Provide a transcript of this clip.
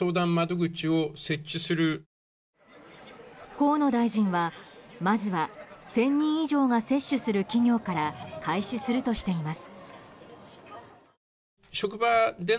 河野大臣はまずは１０００人以上が接種する企業から開始するとしています。